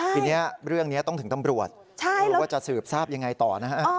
ทีนี้เรื่องนี้ต้องถึงตำรวจไม่รู้ว่าจะสืบทราบยังไงต่อนะฮะ